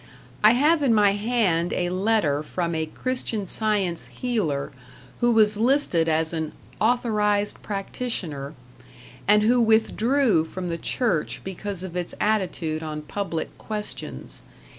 I have in my hand a letter from a Christian Science healer who was listed as an "authorized practitioner", and who withdrew from the Church because of its attitude on public questions.